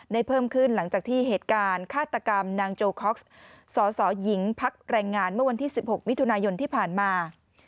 เพิ่มขึ้นหลังจากที่เหตุการณ์ฆาตกรรมนางโจคอกซ์สสหญิงพักแรงงานเมื่อวันที่๑๖มิถุนายนที่ผ่านมา